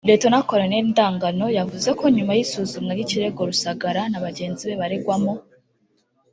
Lt Col Ndagano yavuze ko nyuma y’isuzumwa ry’ikirego Rusagara na bagenzi be baregwamo